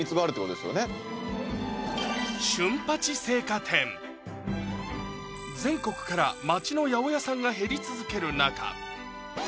そんなに全国から町の八百屋さんが減り続ける中